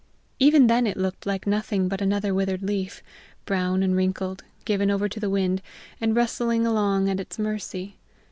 Even then it looked like nothing but another withered leaf, brown and wrinkled, given over to the wind, and rustling along at its mercy.